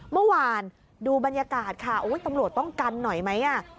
เมื่อวานดูบรรยากาศค่ะโอ้ยตำรวจต้องกันหน่อยไหม